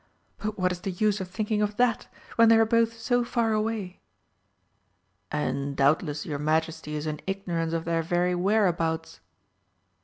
But what is the use of thinking of that, when they are both so far away?" "And doubtless your Majesty is in ignorance of their very whereabouts."